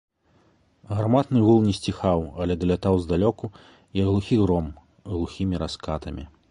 Гарматны гул не сціхаў, але далятаў здалёку, як глухі гром, глухімі раскатамі.